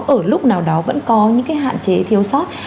ở lúc nào đó vẫn có những cái hạn chế thiếu sót